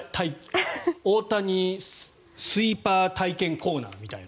大谷スイーパー体験コーナーみたいな。